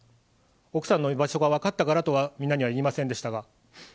奥さんの居場所が分かったからとは、みんなには言いませんでしたが。